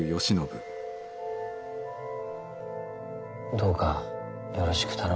どうかよろしく頼む。